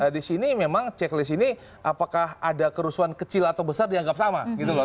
di sini memang checklist ini apakah ada kerusuhan kecil atau besar dianggap sama gitu loh